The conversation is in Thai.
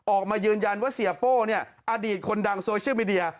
ออกมายืนยันว่าเสียโป้เนี่ยอดีตคนดังโซเชียลมีเดีย